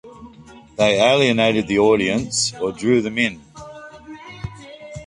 They alienated the audience or drew them in.